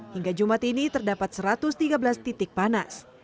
hingga jumat ini terdapat satu ratus tiga belas titik panas